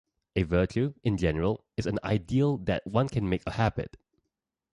A virtue, in general, is an ideal that one can make a habit.